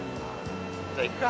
じゃあ行くか。